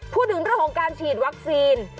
พูดถึงเรื่องของการฉีดวัคซีน